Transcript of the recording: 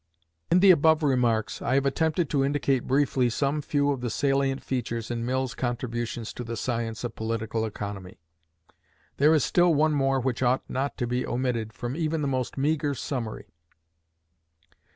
In the above remarks, I have attempted to indicate briefly some few of the salient features in Mill's contributions to the science of political economy. There is still one more which ought not to be omitted from even the most meagre summary.